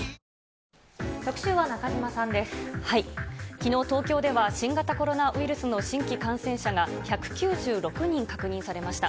きのう、東京では新型コロナウイルスの新規感染者が１９６人確認されました。